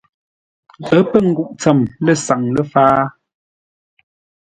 Ə́ pə́ nguʼ tsəm lə̂ saŋ ləfǎa.